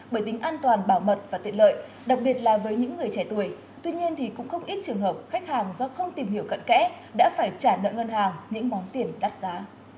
bởi tính an toàn bảo mật và tiện lợi đặc biệt là với những người trẻ tuổi tuy nhiên thì cũng không ít trường hợp khách hàng do không tìm hiểu cận kẽ đã phải trả nợ ngân hàng những món tiền đắt giá